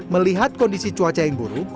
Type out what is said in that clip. melihat kondisi cuaca yang buruk